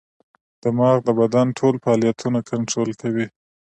دماغ د بدن ټول فعالیتونه کنټرول کوي.